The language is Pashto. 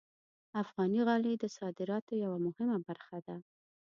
افغاني غالۍ د صادراتو یوه مهمه برخه ده.